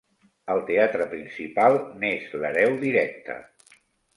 El Teatre Principal n'és l'hereu directe.